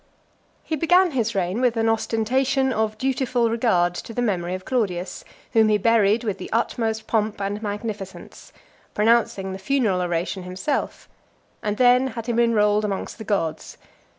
He began his reign with an ostentation of dutiful regard to the memory of Claudius, whom he buried with the utmost pomp and magnificence, pronouncing the funeral oration himself, and then had him enrolled amongst the gods.